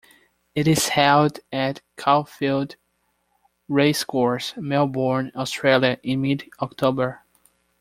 It is held at Caulfield Racecourse, Melbourne, Australia in mid October.